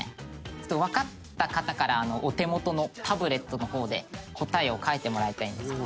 「わかった方からお手元のタブレットの方で答えを書いてもらいたいんですけど」